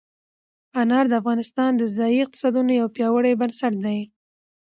انار د افغانستان د ځایي اقتصادونو یو پیاوړی بنسټ دی.